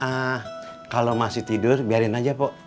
ah kalau masih tidur biarin aja pok